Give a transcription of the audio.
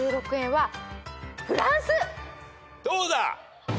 どうだ？